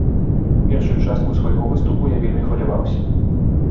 Першую частку свайго выступу я вельмі хваляваўся.